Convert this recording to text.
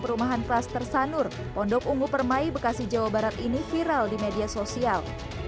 perumahan kluster sanur pondok ungu permai bekasi jawa barat ini viral di media sosial